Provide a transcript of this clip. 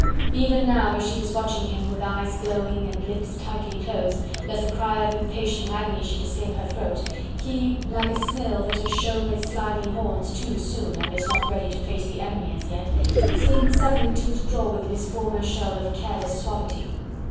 Even now as she was watching him with eyes glowing and lips tightly closed, lest a cry of impatient agony should escape her throat, he, like a snail that has shown its slimy horns too soon, and is not ready to face the enemy as yet, seemed suddenly to withdraw within his former shell of careless suavity.